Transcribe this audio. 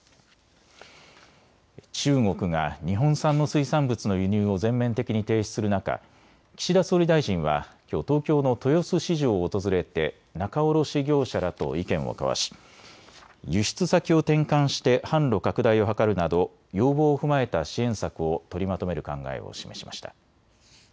中国が日本産の水産物の輸入を全面的に停止する中、岸田総理大臣はきょう、東京の豊洲市場を訪れて仲卸業者らと意見を交わし輸出先を転換して販路拡大を図るなど要望を踏まえた支援策を取りまとめる考えを示しました。